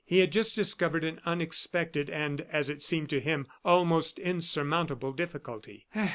He had just discovered an unexpected and, as it seemed to him, almost insurmountable difficulty.